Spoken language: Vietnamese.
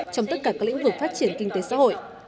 trong tất cả các lĩnh vực phát triển kinh tế xã hội